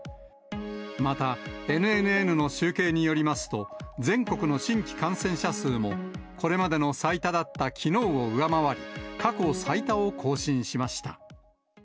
また、ＮＮＮの集計によりますと、全国の新規感染者数も、これまでの最多だったきのうを上回り、過去最多を更新しました。